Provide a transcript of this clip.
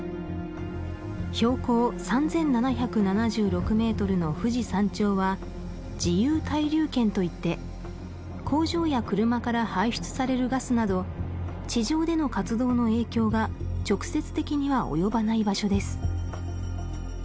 標高３７７６メートルの富士山頂は自由対流圏といって工場や車から排出されるガスなど地上での活動の影響が直接的には及ばない場所です